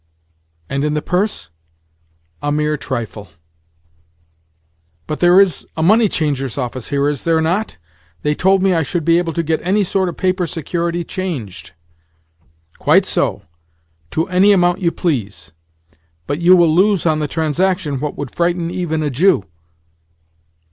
"And in the purse?" "A mere trifle." "But there is a money changer's office here, is there not? They told me I should be able to get any sort of paper security changed!" "Quite so; to any amount you please. But you will lose on the transaction what would frighten even a Jew."